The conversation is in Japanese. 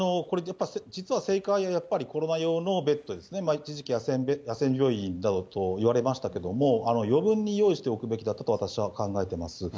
これやっぱり、実は正解がやっぱりコロナ用のベッドですね、一時期は野戦病院などといわれましたけども、余分に用意しておくべきだったと私は考えてます。